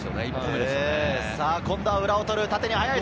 今度は裏を取る。